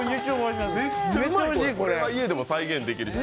これは家でも再現できる。